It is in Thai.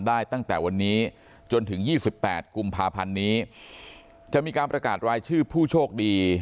ได้ตั้งแต่วันนี้จนถึง๒๘กุมภาพันธ์นี้จะมีการประกาศรายชื่อผู้โชคดี